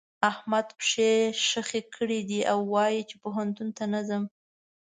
احمد پښې خښې کړې دي او وايي چې پوهنتون ته نه ځم.